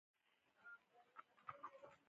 سپی سړی له هېچاسره جوړ نه راځي.